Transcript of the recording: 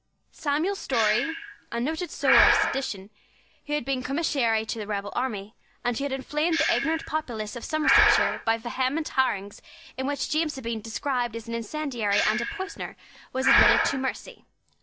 Samuel Storey, a noted sower of sedition, who had been Commissary to the rebel army, and who had inflamed the ignorant populace of Somersetshire by vehement harangues in which James had been described as an incendiary and a poisoner, was admitted to mercy.